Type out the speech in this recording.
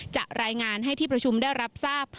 จะรายงานให้ที่ประชุมได้รับทราบ